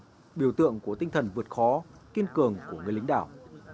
biển biểu tượng của tinh thần vượt khó kiên cường của người lính đảo